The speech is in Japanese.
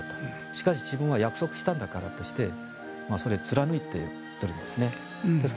しかし自分は約束したんだからとそれを貫いてるんです。